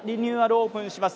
オープンいたします。